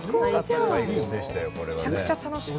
めちゃくちゃ楽しかった。